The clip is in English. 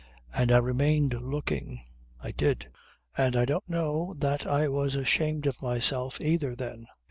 And I remained looking. I did. And I don't know that I was ashamed of myself either, then.